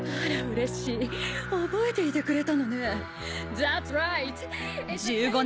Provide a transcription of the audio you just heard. うれしい覚えていてくれたのね。